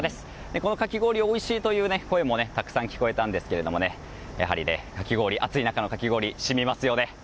このかき氷がおいしいという声もたくさん聞こえたんですけどもやはり暑い中のかき氷しみますね。